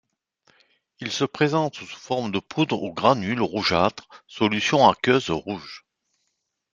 Il se présente sous forme de poudre ou granules rougeâtres, solution aqueuse rouge.